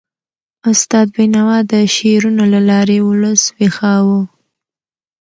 استاد بینوا د شعرونو له لارې ولس ویښاوه.